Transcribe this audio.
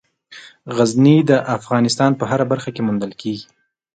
غزني د افغانستان په هره برخه کې موندل کېږي.